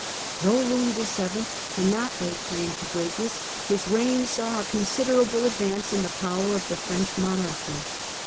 Though Louis VII. cannot lay claim to greatness, his reign saw a considerable advance in the power of the French monarchy.